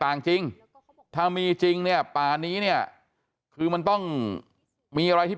จริงถ้ามีจริงเนี่ยป่านี้เนี่ยคือมันต้องมีอะไรที่